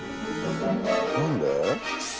何で？